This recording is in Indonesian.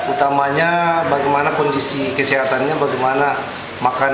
utamanya bagaimana kondisi kesehatannya bagaimana makanan